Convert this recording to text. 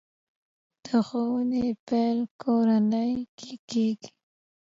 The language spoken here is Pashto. د ښوونې پیل کورنۍ کې کېږي.